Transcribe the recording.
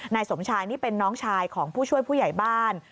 นายสมชายนี่เป็นน้องชายของผู้ช่วยผู้ใหญ่บ้าน